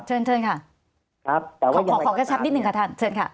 เชิญค่ะขอขอแค่ชัดนิดนึงค่ะท่านเชิญค่ะ